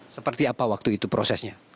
seperti apa waktu itu prosesnya